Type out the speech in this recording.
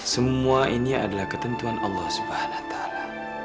semua ini adalah ketentuan allah subhanahu wa ta'ala